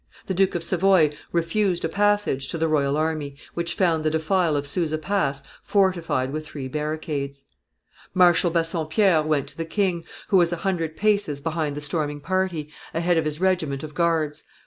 The Duke of Savoy refused a passage to the royal army, which found the defile of Suza Pass fortified with three barricades. [Illustration: The Defile of Suza Pass 278] Marshal Bassompierre went to the king, who was a hundred paces behind the storming party, ahead of his regiment of guards.